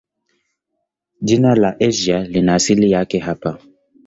Jina la Asia lina asili yake hapa.